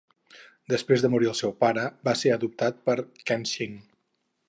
Després de morir el seu pare, va ser adoptat per Kenshin.